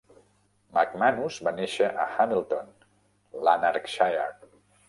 McManus va néixer a Hamilton, Lanarkshire.